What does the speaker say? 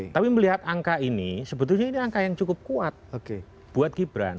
tapi melihat angka ini sebetulnya ini angka yang cukup kuat buat gibran